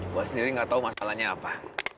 gua sendiri gak tau masalahnya apa